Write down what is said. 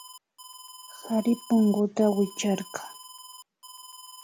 Kari punguta wichkarka